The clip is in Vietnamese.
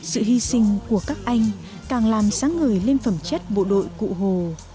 sự hy sinh của các anh càng làm sáng ngời lên phẩm chất bộ đội cụ hồ